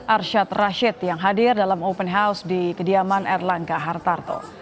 arsyad rashid yang hadir dalam open house di kediaman erlangga hartarto